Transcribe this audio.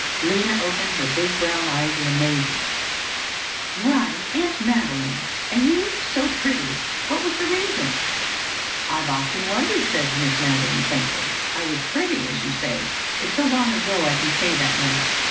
Lina opened her big brown eyes in amazement. "Why, Aunt Madeline! And you so pretty! What was the reason?" "I've often wondered," said Miss Madeline faintly. "I was pretty, as you say—it's so long ago I can say that now.